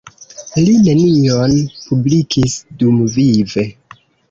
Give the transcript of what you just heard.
Li nenion publikis dumvive.